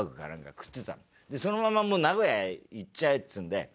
そのままもう名古屋へ行っちゃえっつうんで。